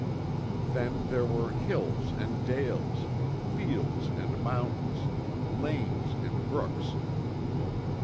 Then there were Hills and Dales; Fields and Mountains; Lanes and Brooks.